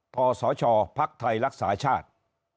ศชภักดิ์ไทยรักษาชาติ